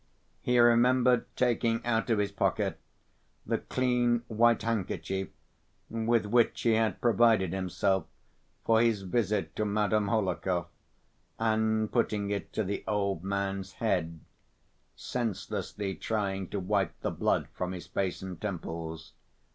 He remembered taking out of his pocket the clean white handkerchief with which he had provided himself for his visit to Madame Hohlakov, and putting it to the old man's head, senselessly trying to wipe the blood from his face and temples.